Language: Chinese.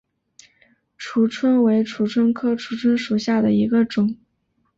蜍蝽为蜍蝽科蜍蝽属下的一个种。